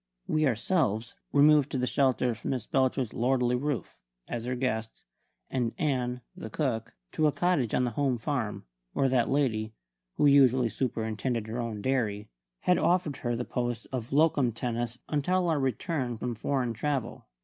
We ourselves removed to the shelter of Miss Belcher's lordly roof, as her guests; and Ann, the cook, to a cottage on the home farm, where that lady who usually superintended her own dairy had offered her the post of locum tenens until our return from foreign travel.